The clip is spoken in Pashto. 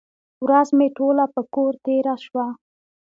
ورځ مې ټوله په کور تېره شوه.